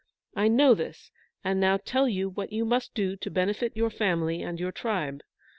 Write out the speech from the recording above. I know this, and now tell you what you must do to benefit your family and your tribe.